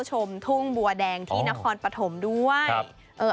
ชมทุ่งบัวแดงที่นครปฐมด้วยเอ่อ